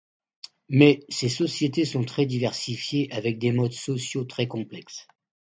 Mais, ces sociétés sont très diversifiées avec des modes sociaux très complexes.